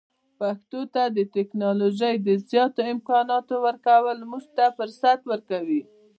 پښتو ته د ټکنالوژۍ د زیاتو امکاناتو ورکول موږ ته فرصت ورکوي.